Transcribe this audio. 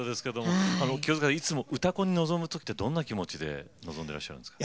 清塚さんいつも「うたコン」に臨む時はどんな気持ちで臨んでらっしゃるんですか。